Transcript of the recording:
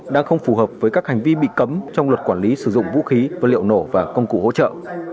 đang không phù hợp với các hành vi bị cấm trong luật quản lý sử dụng vũ khí vật liệu nổ và công cụ hỗ trợ